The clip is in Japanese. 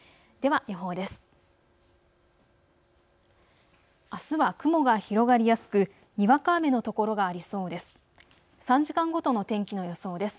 では予報です。